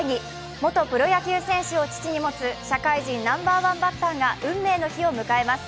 元プロ野球選手を父に持つ社会人ナンバーワンバッターが運命の日を迎えます。